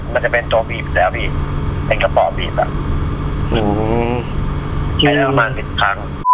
มันจะเป็นตัวบีบแซมพีดเป็นกระเป๋าบีบอ่ะ